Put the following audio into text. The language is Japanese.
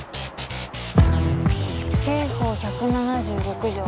刑法１７６条